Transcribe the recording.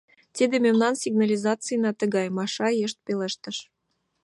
— Тиде мемнан сигнализацийна тыгай, — Маша йышт пелештыш.